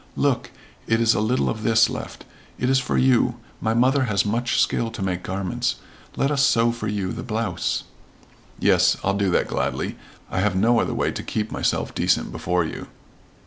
"Look. It is a little of this left. It is for you. My mother has much skill to make garments. Let us sew for you the blouse." "Yes, I'll do that gladly. I have no other way to keep myself decent before you."